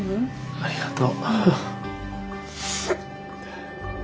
ありがとう。